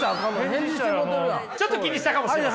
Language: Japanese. ちょっと気にしたかもしれない。